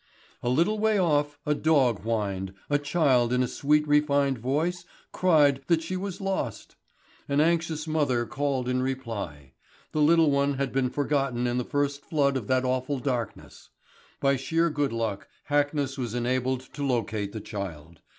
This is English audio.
A little way off a dog whined, a child in a sweet refined voice cried that she was lost. An anxious mother called in reply. The little one had been forgotten in the first flood of that awful darkness. By sheer good luck Hackness was enabled to locate the child.